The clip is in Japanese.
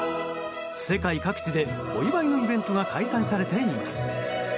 世界各地でお祝いのイベントが開催されています。